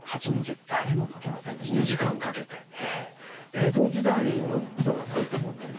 江戸時代の人が解いた問題で。